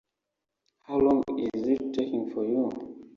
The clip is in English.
How long is it taking for you?